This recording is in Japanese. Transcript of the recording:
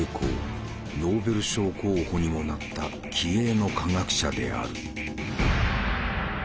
ノーベル賞候補にもなった気鋭の科学者である。